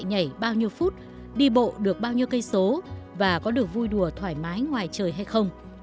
nhảy bao nhiêu phút đi bộ được bao nhiêu cây số và có được vui đùa thoải mái ngoài trời hay không